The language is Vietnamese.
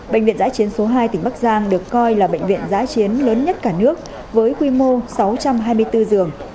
bệnh viện giã chiến số hai tỉnh bắc giang được coi là bệnh viện giã chiến lớn nhất cả nước với quy mô sáu trăm hai mươi bốn giường